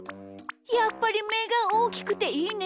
やっぱりめがおおきくていいね。